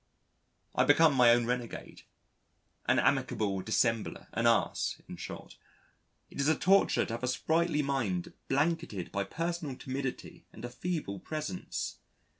I become my own renegade, an amiable dissembler, an ass in short. It is a torture to have a sprightly mind blanketed by personal timidity and a feeble presence.